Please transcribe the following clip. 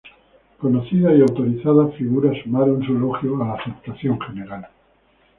Conocidas y autorizadas figuras sumaron su elogio a la aceptación general.